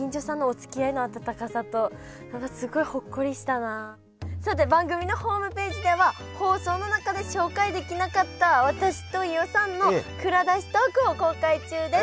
何かさて番組のホームページでは放送の中で紹介できなかった私と飯尾さんの蔵出しトークを公開中です。